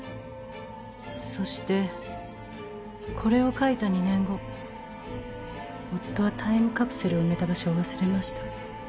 そしてこれを書いた２年後夫はタイムカプセルを埋めた場所を忘れました。